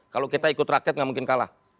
kalau kita ikut rakyat nggak mungkin kalah